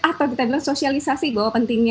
atau kita bilang sosialisasi bahwa pentingnya